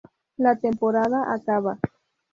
La temporada acaba.